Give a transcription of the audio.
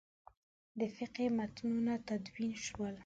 فقهي متنونه تدوین شول.